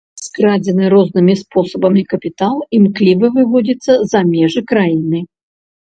Скрадзены рознымі спосабамі капітал імкліва выводзіцца за межы краіны.